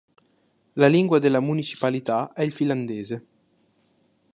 La lingua della municipalità è il finlandese.